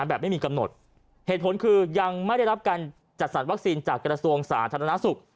แบบไม่มีกำหนดเหตุผลคือยังไม่ได้รับการจัดสรรวัคซีนจากกระทรวงสาธารณสุข